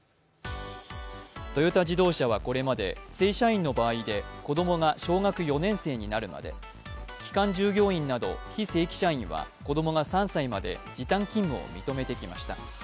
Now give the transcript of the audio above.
トヨタ自動車はこれまで正社員の場合で子供が小学４年生になるまで期間従業員など非正規社員は子供が３歳まで時短勤務を認めてきました。